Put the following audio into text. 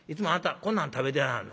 こんなん食べてはんの？